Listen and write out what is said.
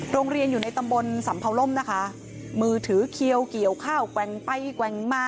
โรงเรียนอยู่ในตำบลสำเภาล่มนะคะมือถือเคี้ยวเกี่ยวข้าวแกว่งไปแกว่งมา